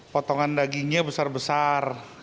potongan dagingnya besar besar